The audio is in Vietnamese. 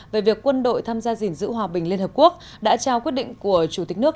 về việc quân đội tham gia gìn giữ hòa bình liên hợp quốc đã trao quyết định của chủ tịch nước